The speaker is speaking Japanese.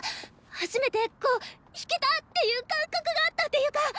初めてこう「弾けた！」っていう感覚があったっていうか。